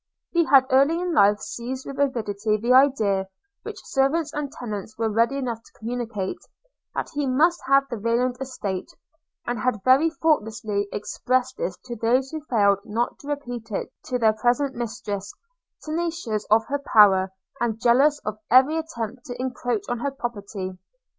– He had early in life seized with avidity the idea, which servants and tenants were ready enough to communicate, that he must have the Rayland estate; and had very thoughtlessly expressed this to those who failed not to repeat it to their present mistress, tenacious of her power, and jealous of every attempt to encroach on her property.